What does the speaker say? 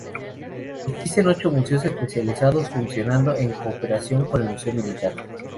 Existen ocho museos especializados funcionando en cooperación con el Museo Militar.